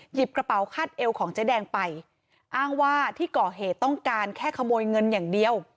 หยิบกระเป๋าคาดเอวของเจ๊แดงไปอ้างว่าที่ก่อเหตุต้องการแค่ขโมยเงินอย่างเดียว